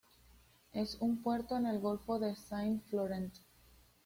Es un puerto en el golfo de Saint-Florent.